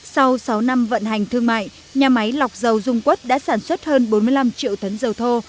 sau sáu năm vận hành thương mại nhà máy lọc dầu dung quất đã sản xuất hơn bốn mươi năm triệu tấn dầu thô